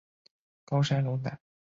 高山龙胆